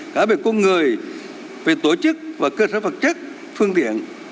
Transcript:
cả về con người về tổ chức và cơ sở vật chất phương tiện